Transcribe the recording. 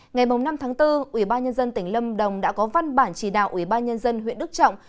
ngày năm tháng bốn ubnd tỉnh lâm đồng đã có văn bản chỉ đạo ubnd huyện đức trọng